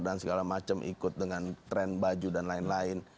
dan segala macam ikut dengan tren baju dan lain lain